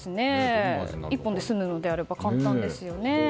１本で済むのであれば簡単ですよね。